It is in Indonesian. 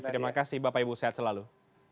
terima kasih bapak ibu sehat selalu